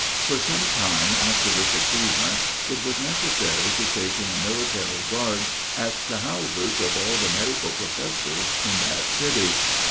For some time after this achievement, it was necessary to station a military guard at the houses of all the medical professors in that city.